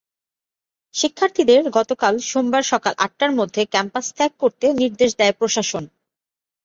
শিক্ষার্থীদের গতকাল সোমবার সকাল আটটার মধ্যে ক্যাম্পাস ত্যাগ করতে নির্দেশ দেয় প্রশাসন।